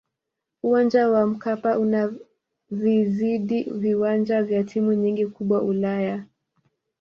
uwanja wa mkapa unavizidi viwanja vya timu nyingi kubwa ulaya